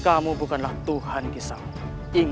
kamu bukanlah tuhan ki sawung